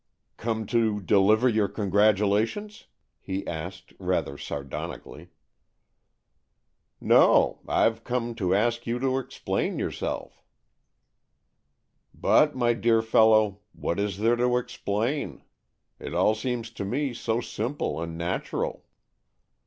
"Come to deliver your congratulations? " he asked, rather sardonically. " No. Fve come to ask you to explain yourself." " But, my dear fellow, what is there to explain? It all seems to me so simple and natural."